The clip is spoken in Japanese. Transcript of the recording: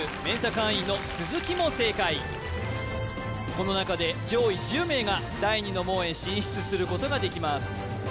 会員の鈴木も正解この中で上位１０名が第二の門へ進出することができます